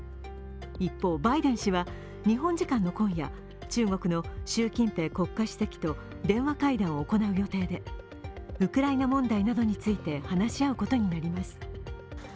一方、バイデン氏は日本時間の今夜中国の習近平国家主席と電話会談を行う予定でウクライナ問題などについて話し合うことになります。